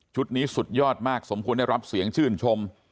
นี้สุดยอดมากสมควรได้รับเสียงชื่นชม